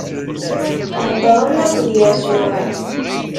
Heddṛen akked Yasuɛ.